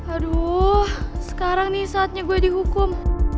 aduh sekarang nih saatnya gue dihukum